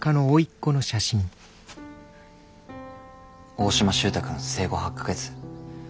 大島周太くん生後８か月。